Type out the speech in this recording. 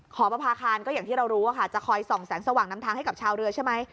ขอประพาคารก็อย่างที่เรารู้ว่าจะคอยส่องแสงสว่างนำทางให้กับชาวเรือใช่ไหม